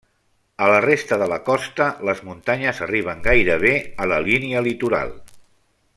A la resta de la costa, les muntanyes arriben gairebé a la línia litoral.